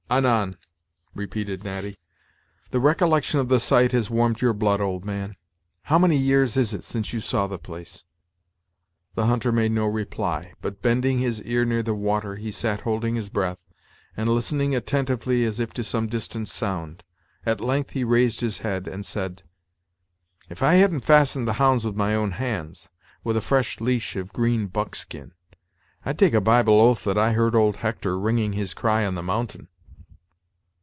"Anan!" repeated Natty. "The recollection of the sight has warmed your blood, old man. How many years is it since you saw the place?" The hunter made no reply; but, bending his ear near the water, he sat holding his breath, and listening attentively as if to some distant sound. At length he raised his head, and said: "If I hadn't fastened the hounds with my own hands, with a fresh leash of green buckskin, I'd take a Bible oath that I heard old Hector ringing his cry on the mountain."